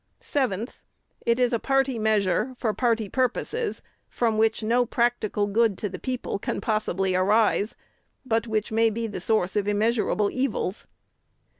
"7th. It is a party measure for party purposes, from which no practical good to the people can possibly arise, but which may be the source of immeasurable evils.